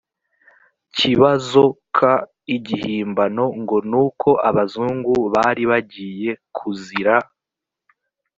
kibazo k igihimbano ngo nuko abazungu bari bagiye kuzira